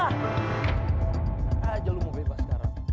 aja lu mau bebas sekarang